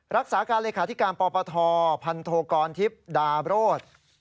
รักษาการเลขาธิการปปทพันโทกรทิพย์ดาโรธ